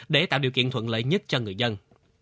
để tạo điều kiện thuận lợi nhất cho người dân